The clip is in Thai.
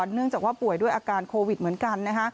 เนื่องจากว่าป่วยด้วยอาการโควิดเหมือนกันนะคะ